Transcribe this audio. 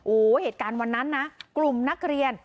โอ้โหเหตุการณ์วันนั้นนะกลุ่มนักเรียน